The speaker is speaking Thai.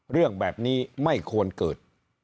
เรื่องแบบนี้ไม่ควรเกิด